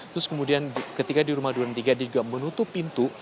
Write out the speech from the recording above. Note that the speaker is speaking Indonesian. terus kemudian ketika di rumah duren tiga dia juga menutup pintu